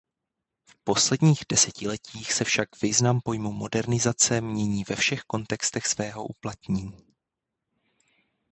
V posledních desetiletích se však význam pojmu modernizace mění ve všech kontextech svého uplatnění.